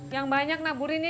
yang banyak naburin ya